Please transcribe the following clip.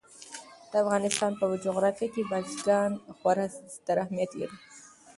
د افغانستان په جغرافیه کې بزګان خورا ستر اهمیت لري.